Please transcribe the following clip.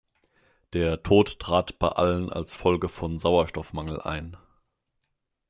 Der Tod trat bei allen als Folge von Sauerstoffmangel ein.